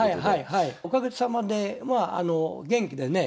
おかげさまでまあ元気でねえ。